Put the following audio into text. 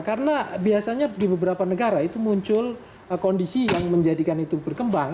karena biasanya di beberapa negara itu muncul kondisi yang menjadikan itu berkembang